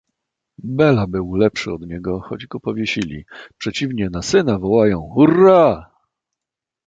"Bela był lepszy od niego, choć go powiesili; przeciwnie na syna wołają: urra!"